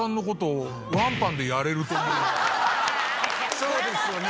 そうですよね。